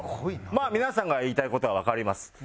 まあ皆さんが言いたい事はわかります。